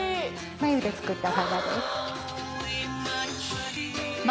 繭で作った花です。